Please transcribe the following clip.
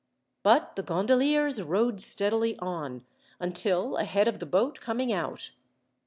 But the gondoliers rowed steadily on, until ahead of the boat coming out.